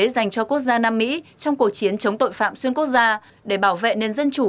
dành cho quốc gia nam mỹ trong cuộc chiến chống tội phạm xuyên quốc gia để bảo vệ nền dân chủ